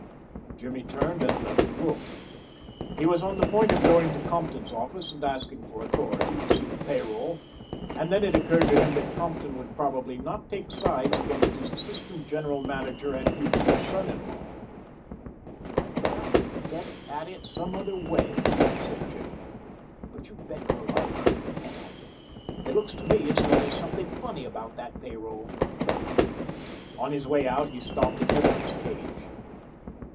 Jimmy turned and left the room. He was on the point of going to Compton's office and asking for authority to see the pay roll, and then it occurred to him that Compton would probably not take sides against his assistant general manager and future son in law. "I've got to get at it some other way," said Jimmy, "but you bet your life I'm going to get at it. It looks to me as though there's something funny about that pay roll." On his way out he stopped at Everett's cage.